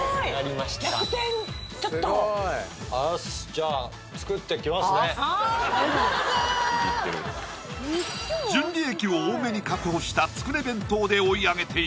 じゃあ純利益を多めに確保したつくね弁当で追い上げていく